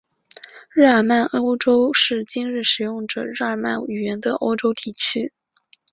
日耳曼欧洲是今日使用着日耳曼语言的欧洲地区。